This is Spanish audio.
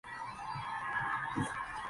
Fue abandonada en la Antigüedad tardía.